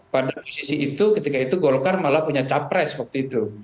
pada posisi itu ketika itu golkar malah punya capres waktu itu